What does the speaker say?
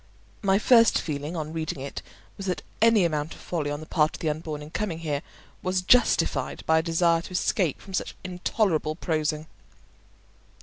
My first feeling on reading it was that any amount of folly on the part of the unborn in coming here was justified by a desire to escape from such intolerable prosing.